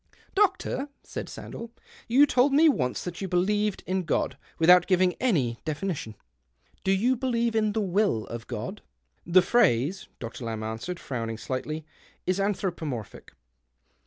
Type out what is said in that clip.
"Doctor," said Sandell, "you told me once that you believed in God, without giving any definition. Do you believe in the will of God? "" The phrase," Dr. Lamb answered, frowning slightly, "is anthropomorphic.